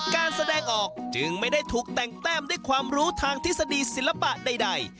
การแสดงออกจึงไม่ได้ถูกแต่งแต้มด้วยความรู้ทางทฤษฎีศิลปะใด